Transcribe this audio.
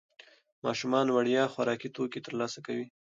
ماشومان وړیا خوراکي توکي ترلاسه کوي.